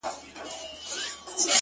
• د پریان لوري، د هرات او ګندارا لوري،